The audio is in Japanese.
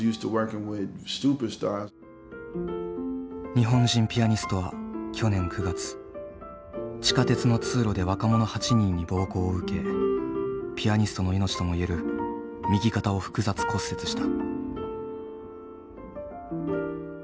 日本人ピアニストは去年９月地下鉄の通路で若者８人に暴行を受けピアニストの命とも言える右肩を複雑骨折した。